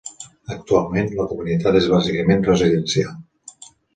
Actualment, la comunitat és bàsicament residencial.